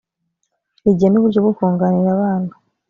rigena uburyo bwo kunganira abana